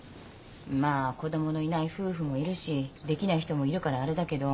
まあ子供のいない夫婦もいるしできない人もいるからあれだけど。